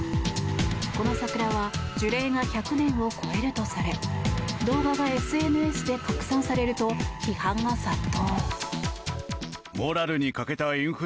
この桜は樹齢が１００年を超えるとされ動画がＳＮＳで拡散されると批判が殺到。